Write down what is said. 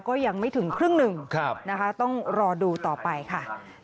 ก็ยังไม่ถึงครึ่งหนึ่งนะคะต้องรอดูต่อไปค่ะ